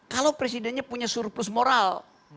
kalau presidennya punya surplus moral